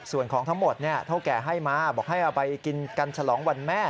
ส่วนของทั้งหมดเท่าแก่ให้มาบอกให้เอาไปกินกันฉลองวันแม่